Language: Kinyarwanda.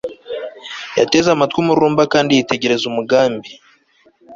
Yateze amatwi umururumba kandi yitegereza umugambi